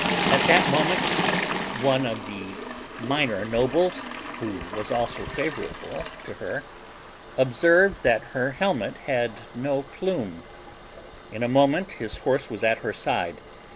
At that moment One of the minor nobles, who was also favorable to her, observed that her helmet had no plume. In a moment his horse was at her side.